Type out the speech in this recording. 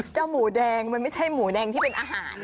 หมูแดงมันไม่ใช่หมูแดงที่เป็นอาหาร